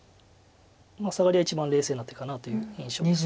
サガリは一番冷静な手かなという印象です。